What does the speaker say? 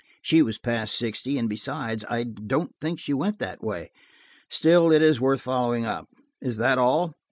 "She was past sixty, and besides–I don't think she went that way. Still it is worth following up. Is that all?"